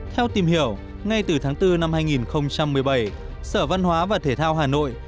theo tìm hiểu ngay từ tháng bốn năm hai nghìn một mươi bảy sở văn hóa và thể thao hà nội